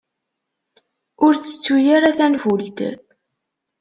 Ur ttettu ara tanfult.